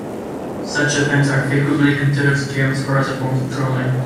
Such events are frequently considered scams or other forms of trolling.